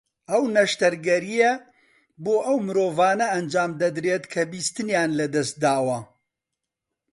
ئەو نەشتەرگەرییە بۆ ئەو مرۆڤانە ئەنجامدەدرێت کە بیستنیان لە دەست داوە